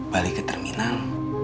balik ke terminal